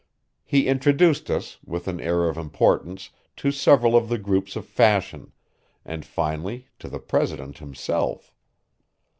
He introduced us, with an air of importance, to several of the groups of fashion, and finally to the president himself.